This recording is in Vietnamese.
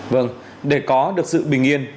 vâng để có được sự bình yên